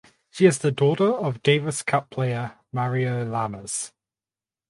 She is the daughter of Davis Cup player Mario Llamas.